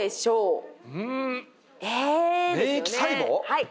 はい。